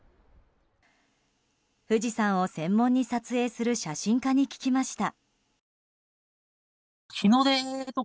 富士山を専門に撮影する写真家に聞きました。